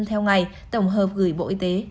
theo ngày tổng hợp gửi bộ y tế